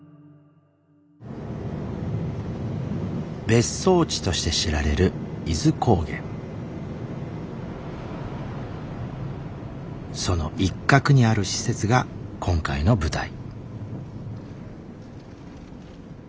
別荘地として知られるその一角にある施設が今回の舞台。